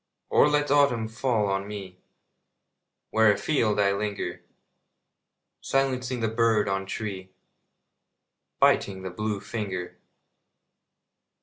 Or let autumn fall on me Where afield I linger, Silencing the bird on tree, Biting the blue finger.